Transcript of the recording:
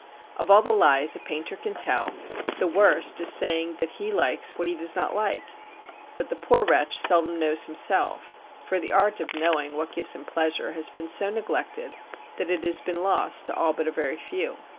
Of all the lies a painter can tell the worst is saying that he likes what he does not like. But the poor wretch seldom knows himself; for the art of knowing what gives him pleasure has been so neglected that it has been lost to all but a very few.